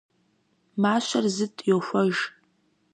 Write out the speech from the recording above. Мащэр зытӀ йохуэж.